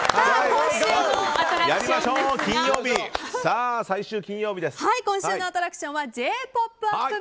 今週のアトラクションはＪ‐ポップＵＰ！